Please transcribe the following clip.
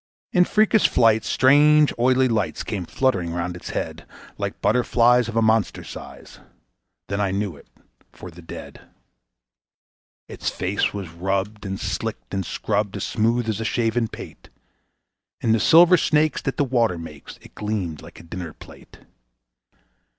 In freakish flights strange oily lights came fluttering round its head, Like butterflies of a monster size then I knew it for the Dead. Its face was rubbed and slicked and scrubbed as smooth as a shaven pate; In the silver snakes that the water makes it gleamed like a dinner plate.